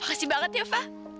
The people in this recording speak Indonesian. makasih banget ya fa